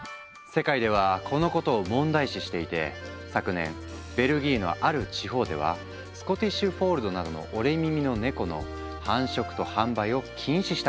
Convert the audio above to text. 世界ではこのことを問題視していて昨年ベルギーのある地方ではスコティッシュ・フォールドなどの折れ耳のネコの繁殖と販売を禁止したんだとか。